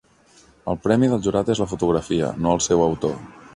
El premi del jurat és la fotografia, no el seu autor.